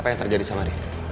apa yang terjadi sama ria